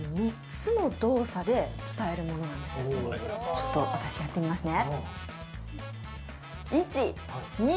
ちょっと、私やってみますね。